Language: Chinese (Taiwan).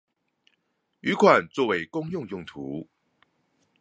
餘款作為公共用途